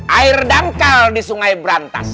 air dangkal di sungai berantas